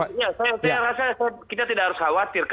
saya rasa kita tidak harus khawatir